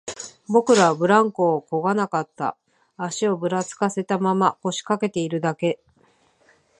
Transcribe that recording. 僕らはブランコをこがなかった、足をぶらつかせたまま、腰掛けているだけ